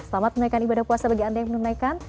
selamat menunaikan ibadah puasa bagi anda yang menunaikan